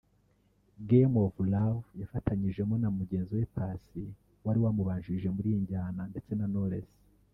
Game Of Love yafatanyijemo na mugenzi we Paccy wari wamubanjirije muri iyi njyana ndetse na Knowles